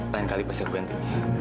lain kali pasti aku ganti